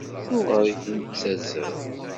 Acuɣer i la nettazzal?